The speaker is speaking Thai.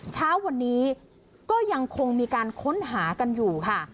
เช้าวันนี้ก็ยังคงมีการค้นหากันอยู่ค่ะ